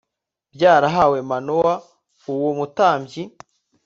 bwarahawe Manowa Uwo mutambyi